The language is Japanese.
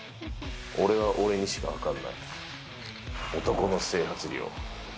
俺は、俺にしか分からない、男の整髪料。